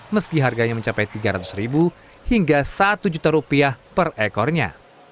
meski harganya mencapai tiga ratus ribu hingga satu juta rupiah per ekornya